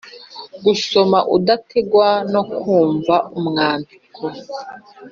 gusoma udategwa no kumva umwandiko